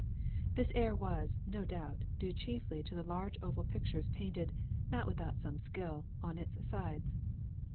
This air was, no doubt, due chiefly to the large oval pictures painted, not without some skill, on its sides.